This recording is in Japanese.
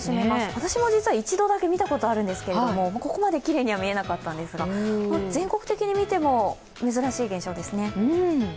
私も実は一度だけ見たことがあるんですけど、ここまできれいには見えなかったんですが、全国的に見ても珍しい現象ですね。